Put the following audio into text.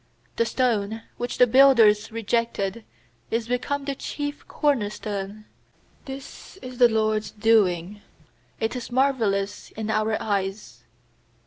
stone which the builders re jected Is become the chief corner stone. is the LORD'S doing; It is marvellous in our eyes.